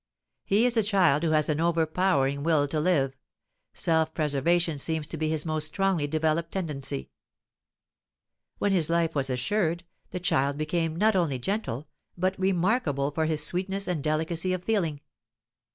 He is a child who has an overpowering will to live: self preservation seems to be his most strongly developed tendency. When his life was assured, the child became not only gentle, but remarkable for his sweetness and delicacy of feeling.